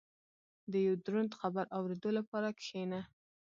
• د یو دروند خبر اورېدو لپاره کښېنه.